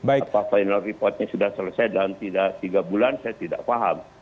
apa final reportnya sudah selesai dalam tidak tiga bulan saya tidak paham